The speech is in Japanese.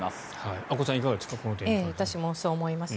阿古さんいかがですか。